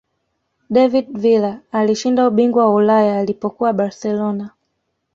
david villa alishinda ubingwa wa ulaya alipokuwa barcelona